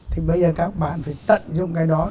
thì bây giờ các bạn phải tận dụng cái đó